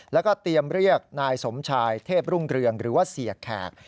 แล้วก็เตรียมเรียกนายสมชายเทพรุ่งเรืองหรือว่าเสียแขก